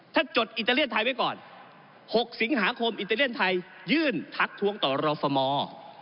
ถ้าจดอิตาเลียนไทยไว้ก่อน๖สิงหาคมอิตาเลียนไทยยื่นทักทวงต่อรอฟมอร์